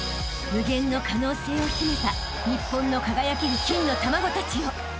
［無限の可能性を秘めた日本の輝ける金の卵たちよ］